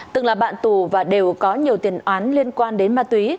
từng là bạn tù và đều có nhiều tiền án liên quan đến ma túy